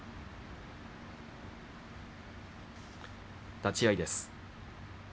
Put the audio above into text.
立ち合いです。